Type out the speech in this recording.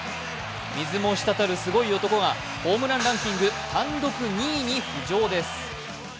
水も滴るすごい男がホームランランキング単独２位に浮上です。